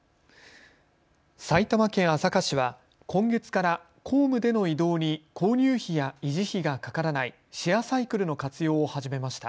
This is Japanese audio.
埼玉県朝霞市は今月から公務での移動に購入費や維持費がかからないシェアサイクルの活用を始めました。